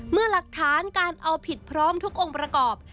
เมื่อหลักฐานการเอาผิดพร้อมทุกองค์ประกอบ